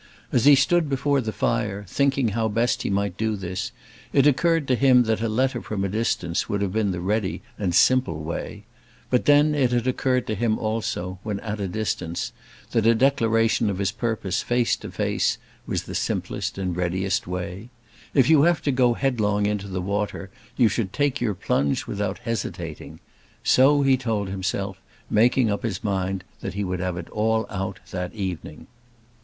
As he stood before the fire, thinking how best he might do this, it occurred to him that a letter from a distance would have been the ready and simple way. But then it had occurred to him also, when at a distance, that a declaration of his purpose face to face was the simplest and readiest way. If you have to go headlong into the water you should take your plunge without hesitating. So he told himself, making up his mind that he would have it all out that evening.